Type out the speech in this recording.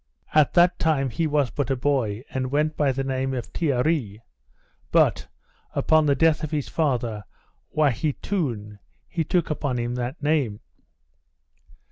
At that time he was but a boy, and went by the name of Tearee, but, upon the death of his father, Waheatoun, he took upon him that name.